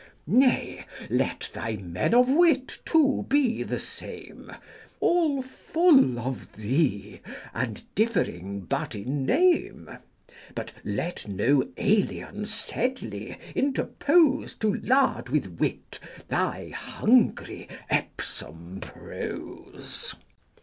ieo Nay, let thy men of wit too be the same, * All full of thee, and differing but in name. But let no alien Sedley 3 interpose, To lard with wit thy hungry Epsom prose.